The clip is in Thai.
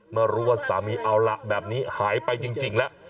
มารู้ว่าสามีเอาละแบบนี้หายไปจริงแล้ว